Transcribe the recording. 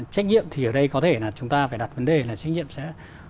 trách nhiệm thì ở đây có thể là chúng ta phải đặt vấn đề là trách nhiệm sẽ